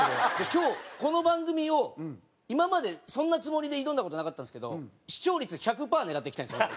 今日この番組を今までそんなつもりで挑んだ事なかったんですけど視聴率１００パー狙っていきたいんですよ。